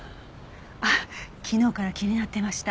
あっ昨日から気になっていました。